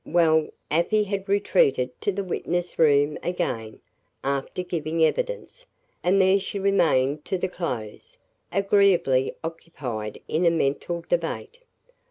Well, Afy had retreated to the witness room again, after giving evidence, and there she remained to the close, agreeably occupied in a mental debate.